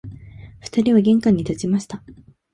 二人は玄関に立ちました